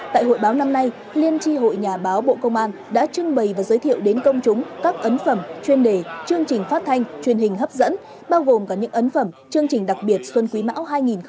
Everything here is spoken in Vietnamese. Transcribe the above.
tại hội báo năm nay liên tri hội nhà báo bộ công an đã trưng bày và giới thiệu đến công chúng các ấn phẩm chuyên đề chương trình phát thanh truyền hình hấp dẫn bao gồm cả những ấn phẩm chương trình đặc biệt xuân quý mão hai nghìn hai mươi